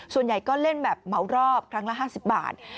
ส่วนใหญ่ก็เล่นแบบเหมารอบครั้งละ๕๐บาท